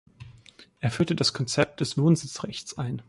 Es führte das Konzept des „Wohnsitzrechts“ ein.